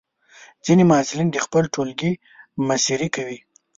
ځینې محصلین د خپل ټولګي مشري کوي.